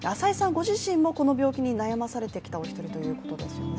ご自身もこの病気に悩まされてきたお一人ということですよね。